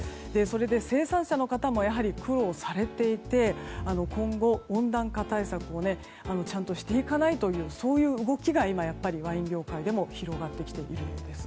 生産者の方もやはり苦労されていて今後、温暖化対策をちゃんとしていかないとというそういう動きが今、ワイン業界でも広がっているようです。